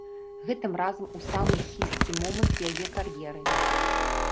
Гэтым разам у самы хісткі момант яе кар'еры.